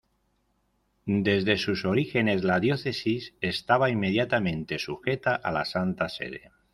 Desde sus orígenes la diócesis estaba inmediatamente sujeta a la Santa Sede.